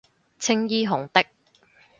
青衣紅的